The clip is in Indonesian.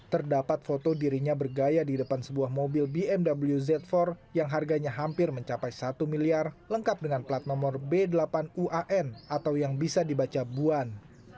terdapat foto dirinya bergaya di depan sebuah mobil bmw z empat yang harganya hampir mencapai satu miliar lengkap dengan plat nomor b delapan uan atau yang bisa dibaca buan